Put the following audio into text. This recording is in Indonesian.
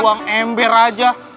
buang ember aja